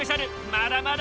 まだまだ？